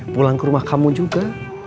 pulang ke rumah kamu juga